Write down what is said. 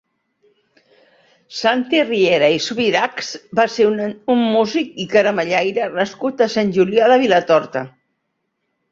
Santi Riera i Subirachs va ser un músic i caramellaire nascut a Sant Julià de Vilatorta.